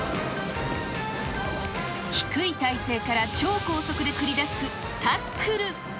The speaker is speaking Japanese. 低い体勢から超高速で繰り出すタックル。